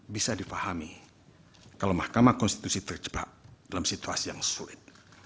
bisa dipahami kalau mahkamah konstitusi terjebak dalam situasi yang sulit